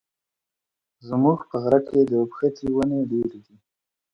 زموږ په غره کي د اوبښتي وني ډېري دي.